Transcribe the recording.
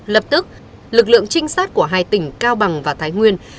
lập tức lực lượng trinh sát của hai tỉnh cao bằng và thái nguyên